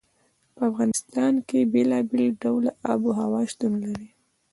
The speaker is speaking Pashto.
په افغانستان کې بېلابېل ډوله آب وهوا شتون لري.